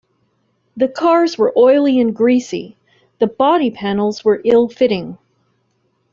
The cars were oily and greasy, the body panels were ill-fitting.